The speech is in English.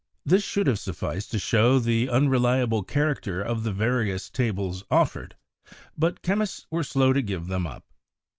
This should have sufficed to show the unreliable char acter of the various tables offered, but chemists were slow to give them up.